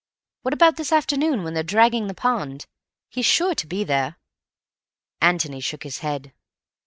"What about this afternoon when they're dragging the pond? He's sure to be there." Antony shook his head.